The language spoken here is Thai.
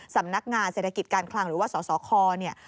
สำนักงานเศรษฐกิจการคลังหรือว่าสสคเนี่ย